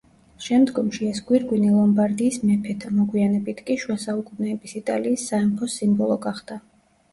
შემდგომში ეს გვირგვინი ლომბარდიის მეფეთა, მოგვიანებით კი შუასაუკუნეების იტალიის სამეფოს სიმბოლო გახდა.